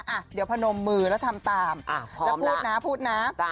เดี๋ยวพนมมือแล้วทำตามพร้อมนะพูดนะพูดนะ